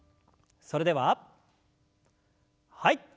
それでははい。